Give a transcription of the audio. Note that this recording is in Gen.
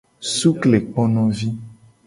Suklekponovi.